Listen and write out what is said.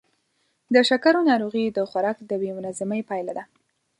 د شکرو ناروغي د خوراک د بې نظمۍ پایله ده.